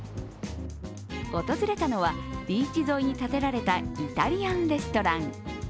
訪れたのは、ビーチ沿いに建てられたイタリアンレストラン。